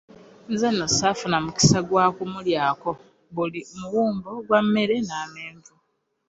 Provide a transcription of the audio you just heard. Nze nno ssaafuna mukisa gwa kumulyako, buli muwumbo gwa mmere n'amenvu.